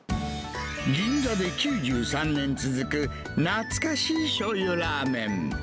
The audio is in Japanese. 銀座で９３年続く、懐かしいしょうゆラーメン。